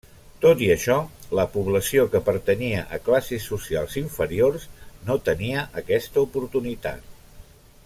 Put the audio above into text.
Tot i això, la població que pertanyia a classes socials inferiors no tenia aquesta oportunitat.